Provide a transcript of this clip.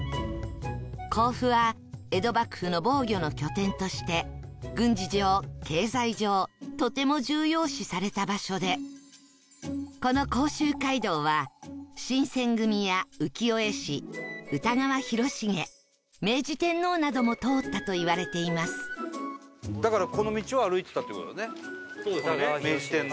甲府は江戸幕府の防御の拠点として軍事上経済上とても重要視された場所でこの甲州街道は新撰組や浮世絵師歌川広重明治天皇なども通ったといわれていますだから。